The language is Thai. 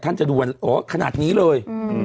ท่านจะดูโอ้ขนาดนี้เลย